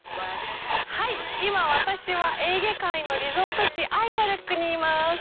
今、私はエーゲ海のリゾート地アイヴァルックにいます。